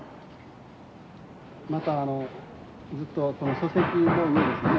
またあのずっとこの礎石の上ですね